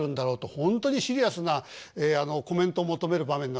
本当にシリアスなコメントを求める場面が。